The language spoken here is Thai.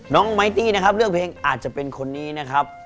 น้องไม้ตี้เลือกเพลงอาจจะเป็นคนนี้นะครับ